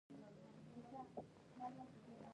وزلوبه زموږ د هېواد یوه سیمه ییزه لوبه ده.